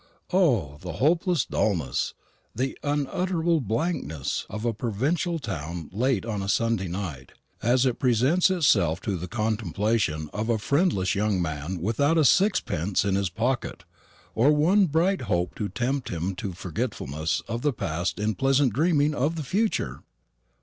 O, the hopeless dulness, the unutterable blankness of a provincial town late on a Sunday night, as it presents itself to the contemplation of a friendless young man without a sixpence in his pocket, or one bright hope to tempt him to forgetfulness of the past in pleasant dreaming of the future!